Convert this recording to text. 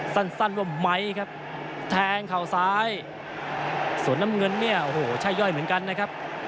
สั้นสั้นว่าไม้ครับแทงเข่าซ้ายส่วนน้ำเงินเนี่ยโอ้โหใช่ย่อยเหมือนกันนะครับ